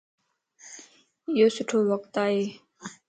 ايو سٺو وقت ائي